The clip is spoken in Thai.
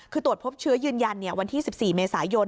คือตรวจพบเชื้อยืนยันวันที่๑๔เมษายน